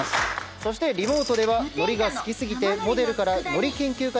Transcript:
そしてリモートではのりが好き過ぎてモデルからのり研究家に転身した女性。